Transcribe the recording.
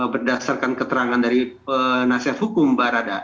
berdasarkan keterangan dari penasehat hukum mbak radha